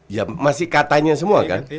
ya masih katanya semua kan